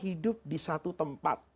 hidup di satu tempat